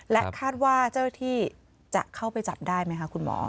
และคาดว่าเจ้าหน้าที่จะเข้าไปจับได้ไหมคะคุณหมอ